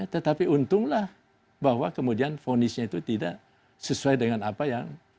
tetapi untunglah bahwa kemudian fonisnya itu tidak sesuai dengan apa yang